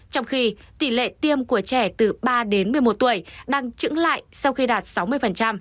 trong khi tỷ lệ tiêm của trẻ từ ba đến một mươi một tuổi đang trứng lại sau khi đạt sáu mươi